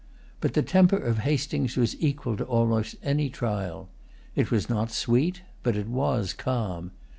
But the temper of Hastings was equal to almost any trial. It was not sweet; but it was calm.